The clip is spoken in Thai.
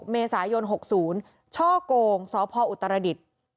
เมษายน๖๐ช่อกงสพอุตรดิษฐ์